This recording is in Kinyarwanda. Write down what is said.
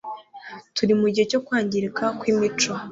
Turiho mu gihe cyo kwangirika kwimico